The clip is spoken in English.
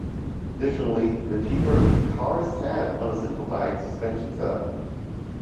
Additionally, the cheaper car sat on a simplified suspension set-up.